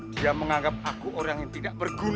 dia menganggap aku orang yang tidak berguna